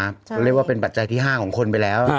เขาเรียกว่าเป็นปัจจัยที่๕ของคนไปแล้ว